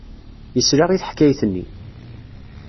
Yesla i teḥkayt-nni.